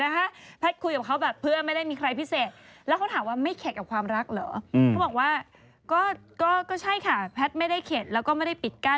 แต่แพทย์ยังไม่ได้ตกลงกับใครนะคะ